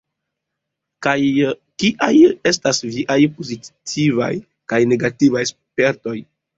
Kiaj estas viaj pozitivaj kaj negativaj spertoj?